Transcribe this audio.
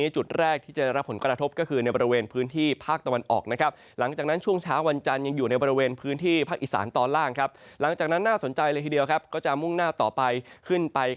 จะสังเกตว่าหลังจากนี้เป็นต้นไปจะค่อยคลื่นตัวขึ้นสู่ฝั่ง